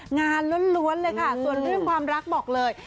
ล้วนเลยค่ะส่วนเรื่องความรักบอกเลย